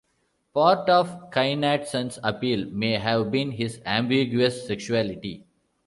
Part of Kynaston's appeal may have been his ambiguous sexuality.